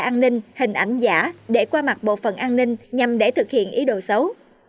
an ninh hình ảnh giả để qua mặt bộ phần an ninh nhằm để thực hiện ý đồ xấu